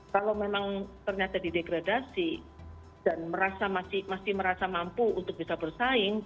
kalau memang ternyata didegradasi dan masih merasa mampu untuk bisa bersaing